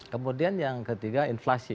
kemudian yang ketiga inflasi